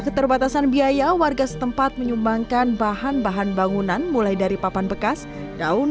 keterbatasan biaya warga setempat menyumbangkan bahan bahan bangunan mulai dari papan bekas daun